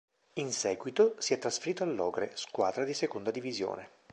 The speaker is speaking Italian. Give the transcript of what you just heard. In seguito si è trasferito all'Ogre, squadra di seconda divisione.